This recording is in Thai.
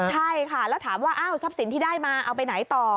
ใช่ค่ะแล้วถามว่าอ้าวทรัพย์สินที่ได้มาเอาไปไหนต่อ